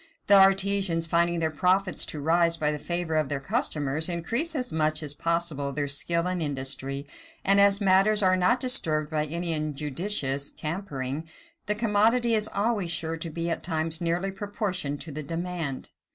The artisans, finding their profits to rise by the favor of their customers, increase as much as possible their skill and industry; and as matters are not disturbed by any injudicious tampering, the commodity is always sure to be at all times nearly proportioned to the demand.